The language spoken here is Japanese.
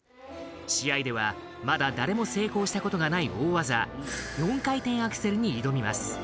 試合ではまだ誰も成功したことがない大技４回転アクセルに挑みます。